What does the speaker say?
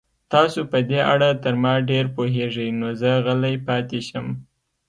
تاسو په دې اړه تر ما ډېر پوهېږئ، نو زه غلی پاتې شم.